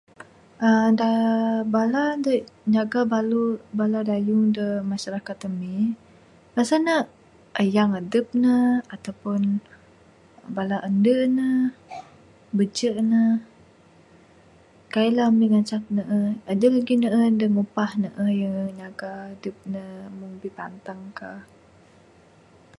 uhh Da bala da nyaga balu bala dayung da masyarakat ami, rasa ne ayang adup ne, atau pun bala andu ne, beju' ne. Kaik lah amik ngacak ne'uh. Aduh lagik ne'uh da ngupah ne'uh nyaga dup ne mung bipantang kah.